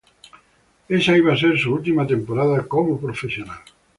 Esa iba a ser su última temporada como profesional.